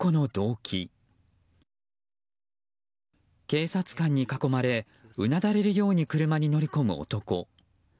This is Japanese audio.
警察官に囲まれうなだれるように車に乗り込む男。